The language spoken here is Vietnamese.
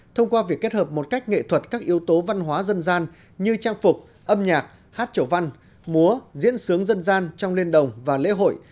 thông qua việc kết hợp một cách nghệ thuật các yếu tố văn hóa dân gian như trang phục âm nhạc hát trầu văn múa diễn sướng dân gian trong liên đồng và lễ hội